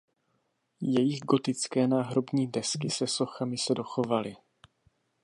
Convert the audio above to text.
Jejich gotické náhrobní desky se sochami se dochovaly.